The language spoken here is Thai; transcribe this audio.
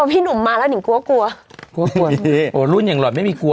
พี่หนุ่มมาแล้วนิ่งกลัวกลัวกลัวโอ้รุ่นอย่างหล่อนไม่มีกลัว